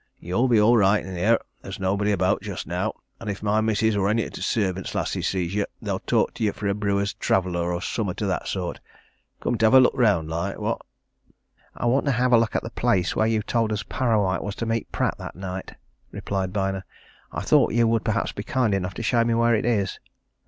"You'll be all right in here there's nobody about just now, and if my missis or any o' t' servant lasses sees yer, they'll tak' yer for a brewer's traveller, or summat o' that sort. Come to hev a look round, like what?" "I want to have a look at the place where you told us Parrawhite was to meet Pratt that night," replied Byner. "I thought you would perhaps be kind enough to show me where it is."